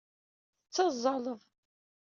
Tettazzaleḍ.